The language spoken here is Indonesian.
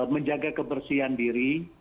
menjaga kebersihan diri